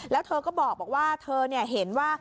แล้วเธอก็บอกว่าเธอเห็นว่า